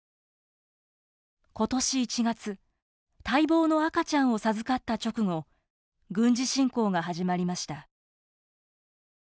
今年１月待望の赤ちゃんを授かった直後軍事侵攻が始まりました。